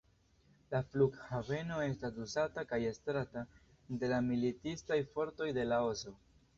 La flughaveno estas uzata kaj estrata de la militistaj fortoj de Laoso.